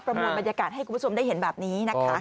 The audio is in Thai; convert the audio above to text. มวลบรรยากาศให้คุณผู้ชมได้เห็นแบบนี้นะคะ